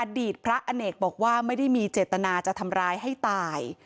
อดีตพระอเนกบอกว่าไม่ได้มีเจตนาจะทำร้ายให้ตาย